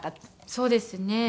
そうですね。